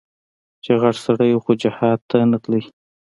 چې غټ سړى و خو جهاد ته نه ته.